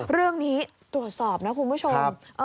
เรื่องนี้ตรวจสอบนะคุณผู้ชม